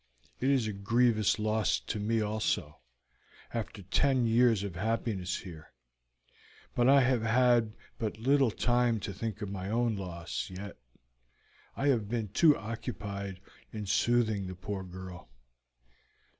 It is a grievous loss to me also, after ten years of happiness here; but I have had but little time to think of my own loss yet, I have been too occupied in soothing the poor girl.